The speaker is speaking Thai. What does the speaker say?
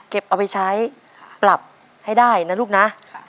เอาไปใช้ปรับให้ได้นะลูกนะ